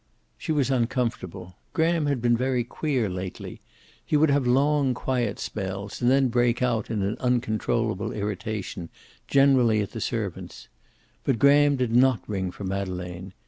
She was uncomfortable. Graham had been very queer lately. He would have long, quiet spells, and then break out in an uncontrollable irritation, generally at the servants. But Graham did not ring for Madeleine.